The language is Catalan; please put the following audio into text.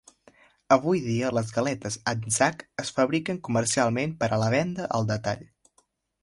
Avui dia, les galetes Anzac es fabriquen comercialment per a la venda al detall.